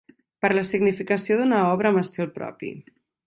Per la significació d’una obra amb estil propi.